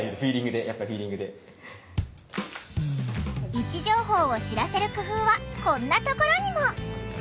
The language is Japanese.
位置情報を知らせる工夫はこんなところにも。